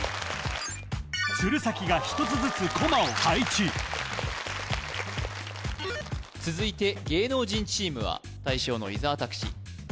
鶴崎が１つずつコマを配置続いて芸能人チームは大将の伊沢拓司